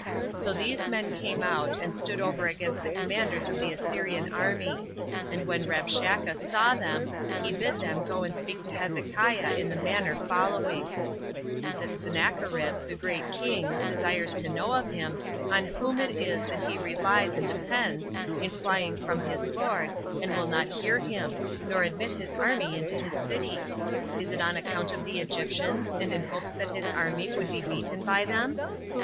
So these men came out, and stood over against the commanders of the Assyrian army; and when Rabshakeh saw them, he bid them go and speak to Hezekiah in the manner following: That Sennacherib, the great king, 1 desires to know of him, on whom it is that he relies and depends, in flying from his lord, and will not hear him, nor admit his army into the city? Is it on account of the Egyptians, and in hopes that his army would be beaten by them?